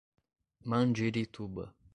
Mandirituba